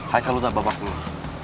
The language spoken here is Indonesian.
heiko lo udah babak dulu